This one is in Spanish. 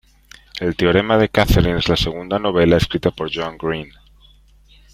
El teorema de Katherine es la segunda novela escrita por John Green.